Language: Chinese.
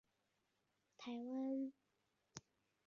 台湾田边制药股份有限公司是日本在台湾设立的子公司。